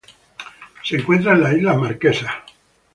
Se encuentra en las Islas Marquesas.